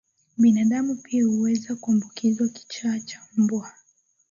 Binadamu pia huweza kuambukizwa kichaa cha mbwa